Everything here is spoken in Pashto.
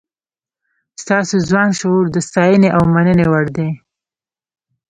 ستاسو ځوان شعور د ستاینې او مننې وړ دی.